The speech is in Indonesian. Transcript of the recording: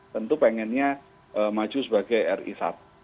tentu pengennya maju sebagai risat